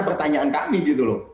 pertanyaan kami gitu loh